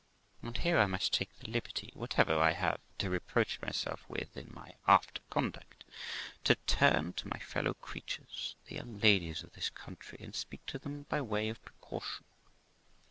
And here I must take the liberty, whatever I have to reproach myself with in my after conduct, to turn to my fellow creatures, the young ladies of this country, and speak to them by way of precaution.